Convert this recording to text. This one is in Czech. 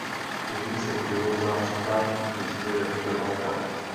Někdy se bělozářka pěstuje jako trvalka.